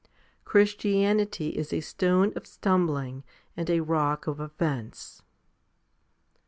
Christianity is a stone of stumbling and a rock of offence.* 7.